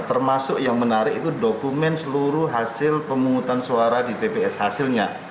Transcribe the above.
termasuk yang menarik itu dokumen seluruh hasil pemungutan suara di tps hasilnya